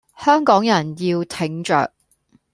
香港人要挺著